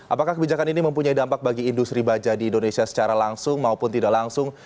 apakah kebijakan ini mempunyai dampak bagi industri baja di indonesia secara langsung maupun tidak langsung